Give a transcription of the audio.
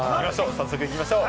早速いきましょう。